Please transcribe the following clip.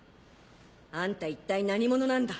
あんた一体何者なんだ。